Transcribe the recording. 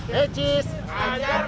maskernya pakai pak